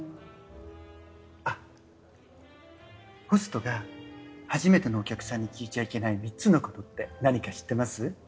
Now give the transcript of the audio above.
あっホストが初めてのお客さんに聞いちゃいけない３つのことって何か知ってます？